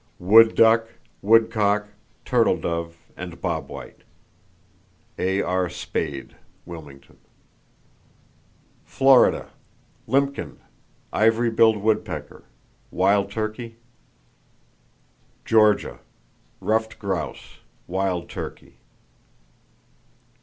Wood duck, woodcock, turtle dove and bob white.—(A.R. Spaid, Wilmington.) Florida: Limpkin, ivory billed woodpecker, wild turkey (?). Georgia: Ruffed grouse, wild turkey.